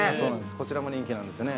こちらも人気なんですね。